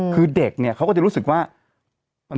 คือเด็กเนี่ยเขาก็จะรู้สึกว่า